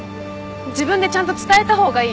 自分でちゃんと伝えた方がいい。